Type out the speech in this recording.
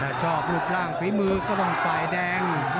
ถ้าชอบรูปร่างฝีมือก็ต้องฝ่ายแดง